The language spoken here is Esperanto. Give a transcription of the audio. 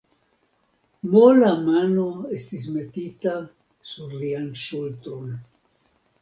Mola mano estis metita sur lian ŝultron.